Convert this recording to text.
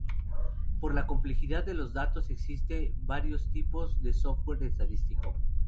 Por la complejidad de los datos existe varios tipos de software estadístico.